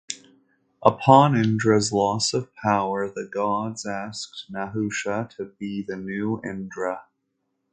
Upon Indra's loss of power, the gods asked Nahusha to be the new Indra.